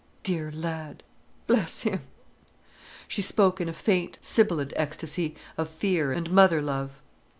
"Dear lad—bless him!" She spoke in a faint, sibilant ecstasy of fear and mother love.